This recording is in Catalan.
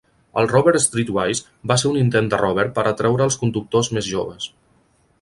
El Rover Streetwise va ser un intent de Rover per atraure els conductors més joves.